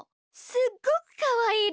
すっごくかわいいで。